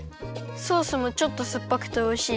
ソースもちょっとすっぱくておいしい。